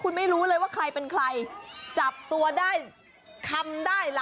ควรไม่รู้เลยว่าใครเป็นใครจะจับตัวได้